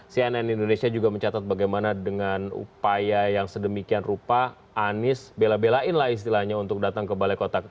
cnn indonesia juga mencatat bagaimana dengan upaya yang sedemikian rupa anies bela belain lah istilahnya untuk datang ke balai kota